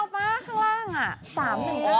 ข้างล่าง๓๑๑